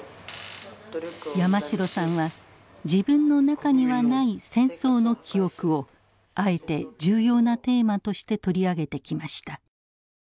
山城さんは自分の中にはない「戦争」の記憶をあえて重要なテーマとして取り上げてきました。